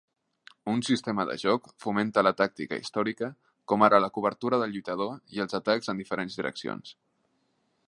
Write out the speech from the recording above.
Un sistema de joc fomenta la tàctica històrica com ara la cobertura del lluitador i els atacs en diferents direccions.